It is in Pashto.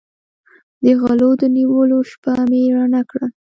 د غلو د نیولو شپه مې رڼه کړه.